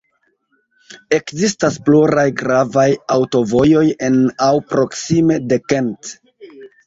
Ekzistas pluraj gravaj aŭtovojoj en aŭ proksime de Kent.